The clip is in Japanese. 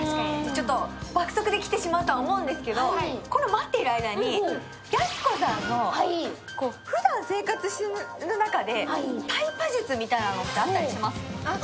ちょっと爆速で来てしまうとは思うんですけど、待っている間にやす子さんのふだん生活する中でタイパ術みたいなもの、あったりします？